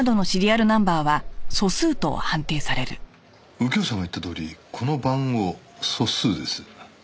右京さんが言ったとおりこの番号素数です。